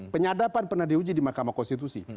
penyadapan pernah diuji di mahkamah konstitusi